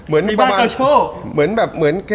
มีบ้านกับโชค